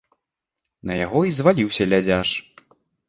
На яго і зваліўся лядзяш.